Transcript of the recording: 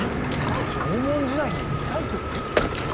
縄文時代にリサイクル？